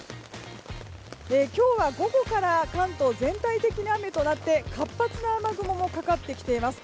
今日は午後から関東、全体的に雨となって活発な雨雲もかかってきています。